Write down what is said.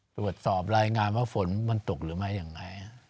ตรวจสอบรายงานว่าฝนมันตกหรือไม่ยังไง